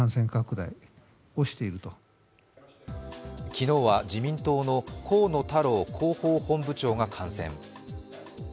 昨日は自民党の河野太郎広報本部長が感染。